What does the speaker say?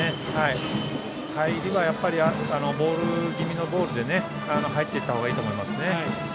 入りは、やっぱりボール気味のボールで入っていった方がいいと思いますね。